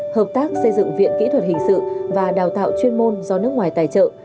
hợp tác xây dựng viện kỹ thuật hình sự và đào tạo chuyên môn do nước ngoài tài trợ